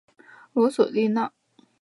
罗索利纳。